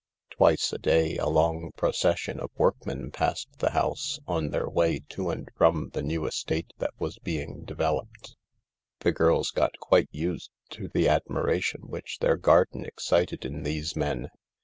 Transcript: Twice a day a long procession of workmen passed the house, on their way to and from the new estate that was being (developed) . The girls got quite used to the admiration which their garden excited in these men.